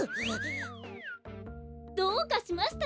どうかしましたか？